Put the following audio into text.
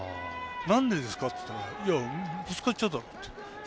なんでですか？と言ったらぶつかっちゃうだろって。